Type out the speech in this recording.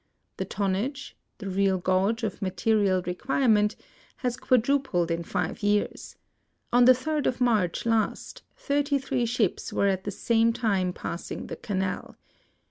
The tonnage— the real gauge of material requirement — has quadrupled in five years. On the 3d of March last, thirty three ships were at the same time passing the Canal.